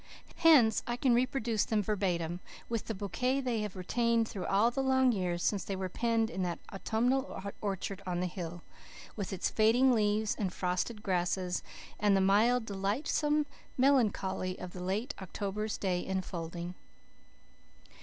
Hence I can reproduce them verbatim, with the bouquet they have retained through all the long years since they were penned in that autumnal orchard on the hill, with its fading leaves and frosted grasses, and the "mild, delightsome melancholy" of the late October day enfolding.